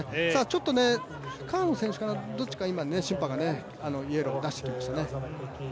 ちょっと、川野選手かなどっちか今審判がイエローを出してきましたね。